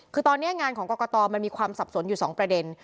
คือตอนนี้งานของกรกตมันมีความสับสนอยู่๒ประเด็น